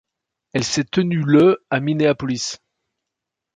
Elle s'est tenue le à Minneapolis.